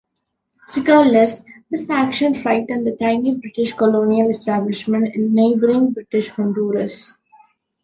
Regardless, this action frightened the tiny British colonial establishment in neighboring British Honduras.